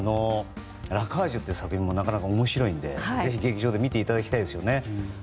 「ラ・カージュ」という作品もなかなか面白いのでぜひ劇場で見ていただきたいですよね。